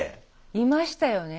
いましたよね。